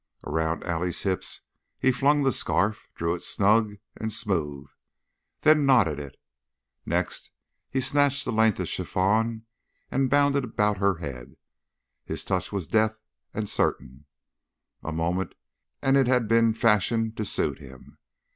Around Allie's hips he flung the scarf, drew it snug and smooth, then knotted it. Next he snatched the length of chiffon and bound it about her head. His touch was deft and certain; a moment and it had been fashioned to suit him.